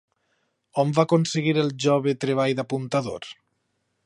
On va aconseguir el jove treball d'apuntador?